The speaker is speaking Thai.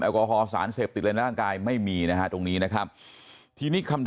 กอฮอลสารเสพติดในร่างกายไม่มีนะฮะตรงนี้นะครับทีนี้คำ